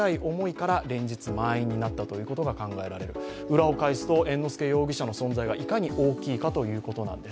裏を返すと猿之助容疑者の存在がいかに大きいかということなんです。